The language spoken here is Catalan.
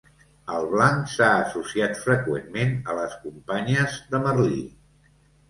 El blanc s'ha associat freqüentment a les companyes de Merlí.